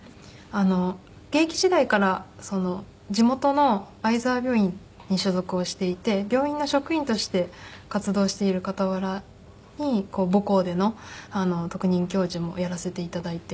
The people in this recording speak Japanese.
現役時代から地元の相澤病院に所属をしていて病院の職員として活動している傍らに母校での特任教授もやらせて頂いています。